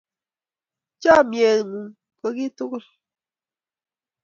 Chomyet ng'uung ko kiy tugul